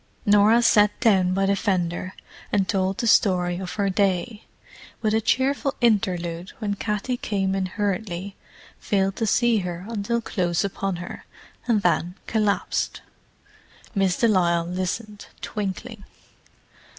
Norah sat down by the fender and told the story of her day—with a cheerful interlude when Katty came in hurriedly, failed to see her until close upon her, and then collapsed. Miss de Lisle listened, twinkling.